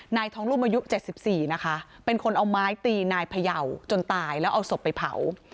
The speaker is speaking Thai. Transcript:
นายทองรุ่มอายุ๗๔นะคะเป็นคนเอาไม้ตีนายพยาวจนตายแล้วเอาศพไปเผา